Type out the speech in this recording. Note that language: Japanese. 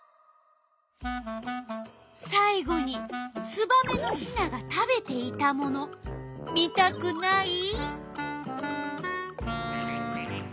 さい後にツバメのヒナが食べていたもの見たくない？